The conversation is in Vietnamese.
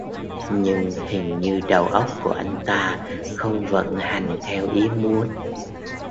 Nhưng hình như đầu óc của anh ta không vận hành theo ý muốn